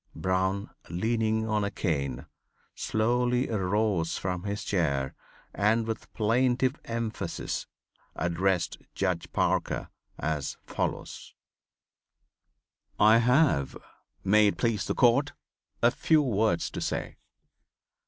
Brown, leaning on a cane, slowly arose from his chair and with plaintive emphasis addressed Judge Parker as follows: "I have, may it please the court, a few words to say.